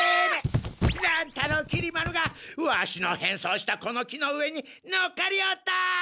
乱太郎きり丸がワシの変装したこの木の上に乗っかりおった！